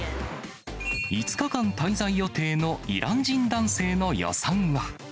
５日間滞在予定のイラン人男性の予算は。